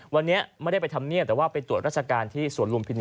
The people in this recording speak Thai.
วันนี้ไม่ได้ไปทำเนียบแต่ว่าไปตรวจราชการที่สวนลุมพินี